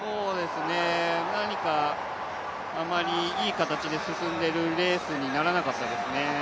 何か、あまりいい形で進んでいるレースにならなかったですね。